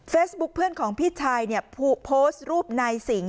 เพื่อนของพี่ชายเนี่ยโพสต์รูปนายสิง